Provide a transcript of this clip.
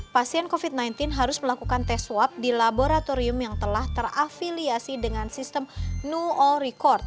pasien covid sembilan belas harus melakukan tes swab di laboratorium yang telah terafiliasi dengan sistem know all record